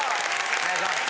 お願いします。